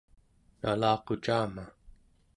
nalaqucama